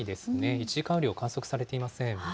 １時間雨量、観測されていません。